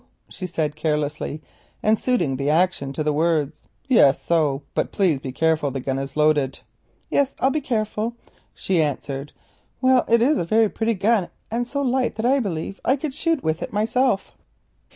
she said carelessly, and suiting the action to the word. "Yes, so, but please be careful, the gun is loaded." "Yes, I'll be careful," she answered. "Well, it is a very pretty gun, and so light that I believe I could shoot with it myself."